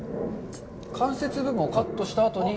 関節部分をカットしたあとに。